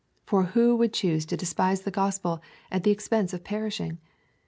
For who would choose to despise the gospel at the expense oi perishing